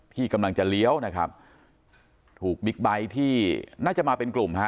ที่กำลังจะเลี้ยวนะครับถูกบิ๊กไบท์ที่น่าจะมาเป็นกลุ่มฮะ